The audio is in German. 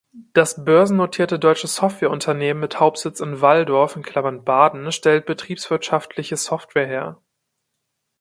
Das börsennotierte deutsche Softwareunternehmen mit Hauptsitz in Walldorf (Baden) stellt betriebswirtschaftliche Software her.